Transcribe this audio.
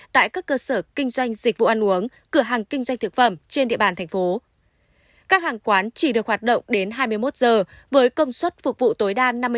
tại các cơ sở kinh doanh dịch vụ ăn uống trên địa bàn tp hcm các hàng quán chỉ được hoạt động đến hai mươi một h với công suất phục vụ tối đa năm mươi